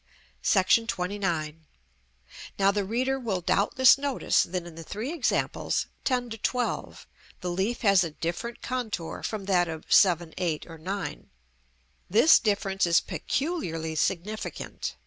§ XXIX. Now the reader will doubtless notice that in the three examples, 10 to 12, the leaf has a different contour from that of 7, 8, or 9. This difference is peculiarly significant.